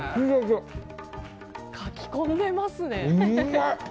かき込んでますね。